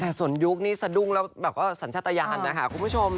แต่สนยุกน์นี่สะดุ้งแล้วสัญชาตญาณนะคะคุณผู้ชม